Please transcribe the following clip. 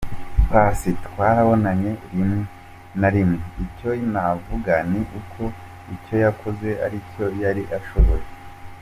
Paccy: Twarabonanye rimwe na rimwe, icyo navuga ni uko icyo yakoze aricyo yari ashoboye.